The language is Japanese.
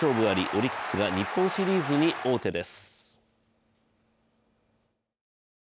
オリックスが日本シリーズに王手です。